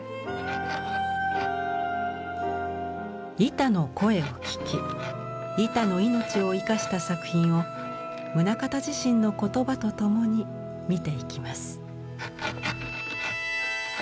板の声を聞き板の命を活かした作品を棟方自身の言葉とともに見ていきます。